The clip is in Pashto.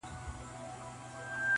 تیاري رخصتوم دي رباتونه رڼاکیږي-